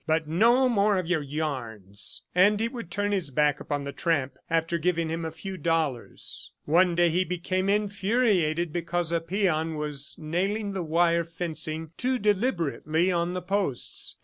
... But no more of your yarns!" And he would turn his back upon the tramp, after giving him a few dollars. One day he became infuriated because a peon was nailing the wire fencing too deliberately on the posts.